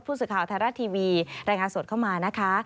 ผู้สื่อข่าวไทยรัฐทีวีรายงานสดเข้ามานะคะ